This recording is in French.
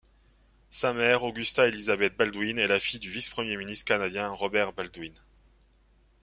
Sa mère Augusta Elizabeth Baldwin est la fille du vice-premier ministre canadien Robert Baldwin.